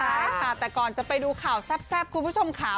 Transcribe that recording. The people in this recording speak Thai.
ใช่ค่ะแต่ก่อนจะไปดูข่าวแซ่บคุณผู้ชมค่ะ